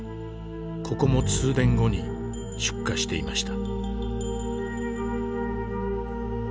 ここも通電後に出火していました。